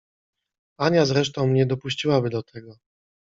Ania zresztą nie dopuściłaby do tego.